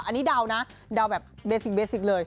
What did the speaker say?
อันนี้เดานะเดาแบบเบสิกเลย